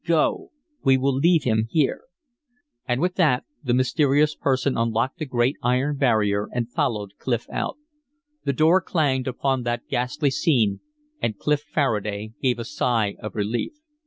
"Go; we will leave him here." And with that the mysterious person unlocked the great iron barrier and followed Clif out. The door clanged upon that ghastly scene, and Clif Faraday gave a sigh of relief.